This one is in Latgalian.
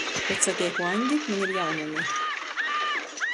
Kod sateiku Aņdi, maņ ir jaunumi.